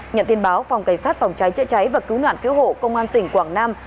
nhận tin báo phòng cảnh sát phòng cháy chữa cháy và cứu nạn cứu hộ công an tỉnh quảng nam